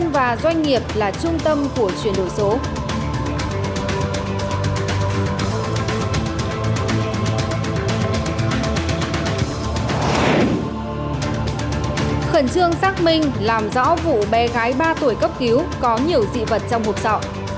khẩn trương xác minh làm rõ vụ bé gái ba tuổi cấp cứu có nhiều dị vật trong một sọ